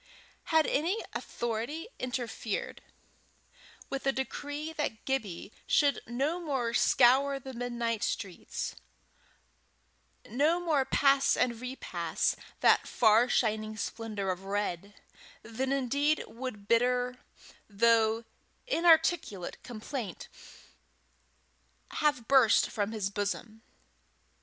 Had any authority interfered, with a decree that Gibbie should no more scour the midnight streets, no more pass and repass that far shining splendour of red, then indeed would bitter, though inarticulate, complaint have burst from his bosom.